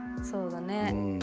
そうだね。